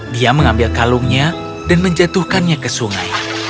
dia mengambil kalungnya dan menjatuhkannya ke sungai